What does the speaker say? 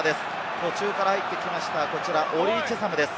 途中から入ってきたオリー・チェサムです。